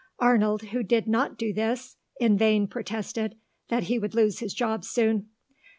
Arnold, who did not do this, in vain protested that he would lose his job soon.